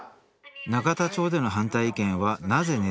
永田町での反対意見はなぜ根強いのか。